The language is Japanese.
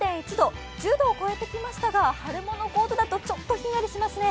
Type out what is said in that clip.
１０度を超えてきましたが、春物コートだとちょっとひんやりしますね。